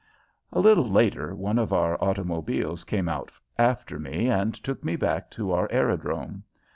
A little later one of our automobiles came out after me and took me back to our aerodrome.